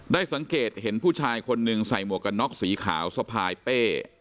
สังเกตเห็นผู้ชายคนหนึ่งใส่หมวกกันน็อกสีขาวสะพายเป้